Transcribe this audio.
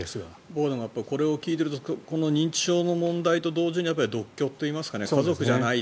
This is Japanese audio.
僕なんかこれを聞いていると認知症の問題と同時に独居といいますか家族じゃない。